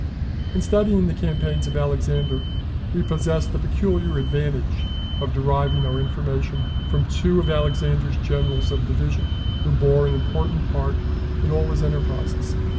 In studying the campaigns of Alexander, we possess the peculiar advantage of deriving our information from two of Alexander's generals of division, who bore an important part in all his enterprises.